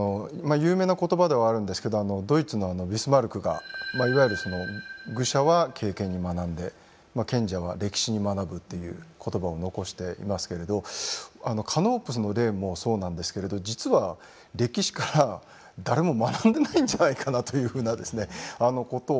有名な言葉ではあるんですけどドイツのビスマルクがいわゆるその「愚者は経験に学んで賢者は歴史に学ぶ」っていう言葉を残していますけれどカノープスの例もそうなんですけれど実は歴史から誰も学んでないんじゃないかなというふうなことを思ったりします。